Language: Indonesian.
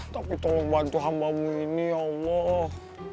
tapi tolong bantu hambamu ini ya allah